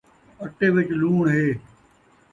اٹے وچ لوݨ ہے